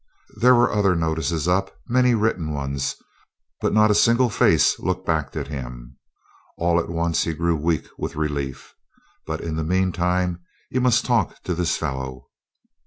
There were other notices up many written ones but not a single face looked back at him. All at once he grew weak with relief. But in the meantime he must talk to this fellow.